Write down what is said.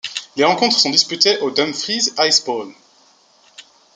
Les rencontres sont disputées au Dumfries Ice Bowl.